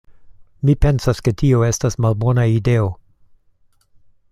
Mi pensas ke tio estas malbona ideo.